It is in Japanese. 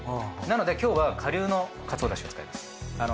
なので今日は顆粒のかつおだしを使います。